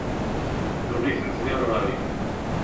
Yuɣ-itent di ṛṛay.